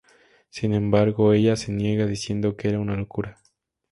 Sin embargo, ella se niega diciendo que era una locura.